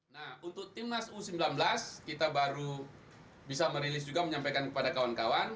nah untuk timnas u sembilan belas kita baru bisa merilis juga menyampaikan kepada kawan kawan